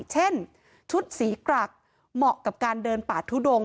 เช่นชุดสีกรักเหมาะกับการเดินป่าทุดง